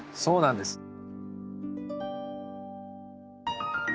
そうなんです。